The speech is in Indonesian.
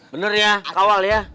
bener ya kawal ya